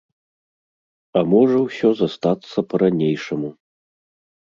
А можа ўсё застацца па-ранейшаму.